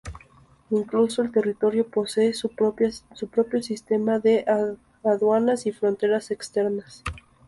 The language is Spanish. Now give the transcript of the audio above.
Incluso el territorio posee su propio sistema de aduanas y fronteras externas.